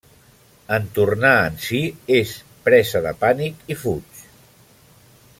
En tornar en si, és presa de pànic i fuig.